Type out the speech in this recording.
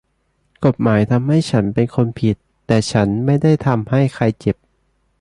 กฎหมายทำให้ฉันเป็นคนผิดแต่ฉันไม่ได้ทำให้ใครเจ็บ